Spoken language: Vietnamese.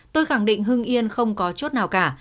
tôi khẳng định hưng yên không có chốt nào cả